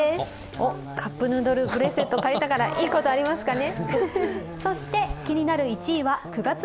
おっ、カップヌードルブレスレットがあるからいいこと、ありますかね。